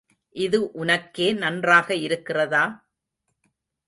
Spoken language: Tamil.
இது உனக்கே நன்றாக இருக்கிறதா?